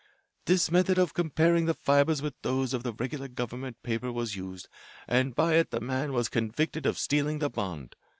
This method of comparing the fibres with those of the regular government paper was used, and by it the man was convicted of stealing the bond.